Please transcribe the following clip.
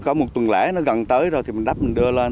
có một tuần lễ nó gần tới rồi thì mình đắp mình đưa lên